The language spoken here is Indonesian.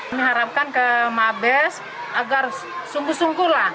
kami harapkan ke mabes agar sungguh sungguhlah